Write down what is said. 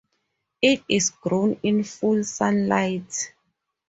It is grown in full sunlight.